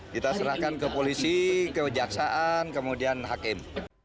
kita serahkan ke polisi kejaksaan kemudian hakim